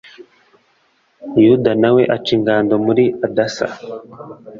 yuda na we aca ingando muri adasa